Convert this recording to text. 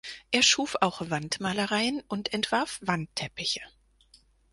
Er schuf auch Wandmalereien und entwarf Wandteppiche.